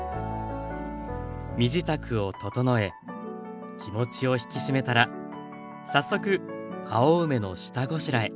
身支度を整え気持ちを引き締めたら早速青梅の下ごしらえ。